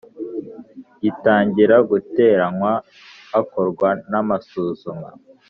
gitangira guteranywa, hakorwa n’amasuzuma